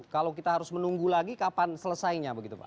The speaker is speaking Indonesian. kalau kita harus menunggu lagi kapan selesainya begitu pak